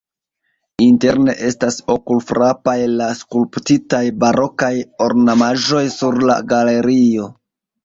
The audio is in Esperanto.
Interne estas okulfrapaj la skulptitaj barokaj ornamaĵoj sur la galerio.